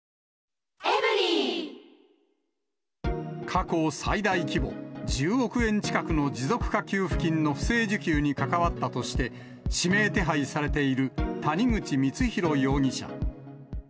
過去最大規模、１０億円近くの持続化給付金の不正受給に関わったとして、指名手配されている谷口光弘容疑者。